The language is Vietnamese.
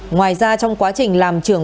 ngoài ra trong quá trình làm trưởng